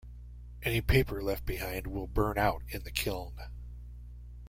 Any paper left behind will burn out in the kiln.